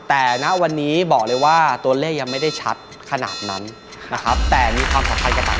แต่ณวันนี้บอกเลยว่าตัวเลขยังไม่ได้ชัดขนาดนั้นนะครับแต่มีความสำคัญกับต่าง